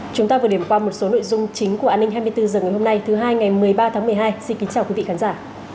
chúng ta vừa điểm qua một số nội dung chính của an ninh hai mươi bốn h ngày hôm nay thứ hai ngày một mươi ba tháng một mươi hai xin kính chào quý vị khán giả